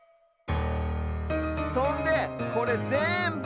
そんでこれぜんぶ